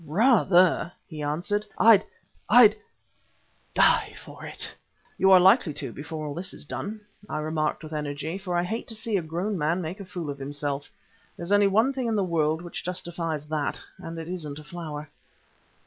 "Rather," he answered; "I'd I'd die for it!" "You are likely to before all is done," I remarked with energy, for I hate to see a grown man make a fool of himself. There's only one thing in the world which justifies that, and it isn't a flower.